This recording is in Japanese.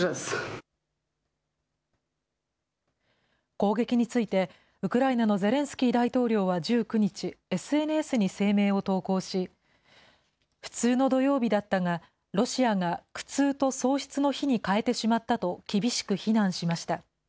攻撃について、ウクライナのゼレンスキー大統領は１９日、ＳＮＳに声明を投稿し、普通の土曜日だったが、ロシアが苦痛と喪失の日に変えてしまったと厳しく非難しました。